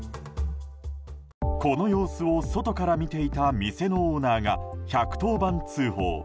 この様子を外から見ていた店のオーナーが１１０番通報。